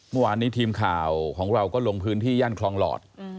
เมื่อวานนี้ทีมข่าวของเราก็ลงพื้นที่ย่านคลองหลอด